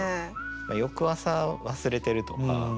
翌朝忘れてるとか。